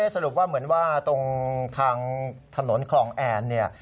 สรุปว่าเหมือนว่าตรงทางถนนคลองแอนเนี่ย